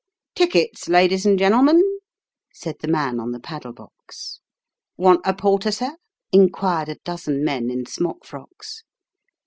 " Tickets, ladies and gen'lm'n," said the man on the paddle box. " Want a porter, sir ?" inquired a dozen men in smock frocks.